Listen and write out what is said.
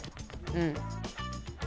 うん。